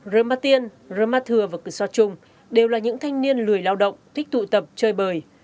ramatien ramathur và kassot trung đều là những thanh niên lười lao động thích tụ tập chơi bời